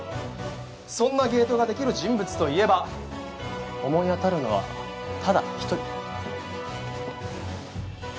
そんな芸当ができる人物といえば思い当たるのはただ１人。